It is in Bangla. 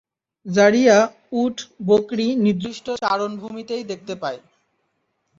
যারিয়া উট-বকরী নির্দিষ্ট চারণভূমিতেই দেখতে পায়।